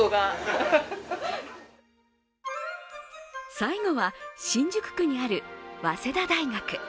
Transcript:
最後は新宿区にある早稲田大学。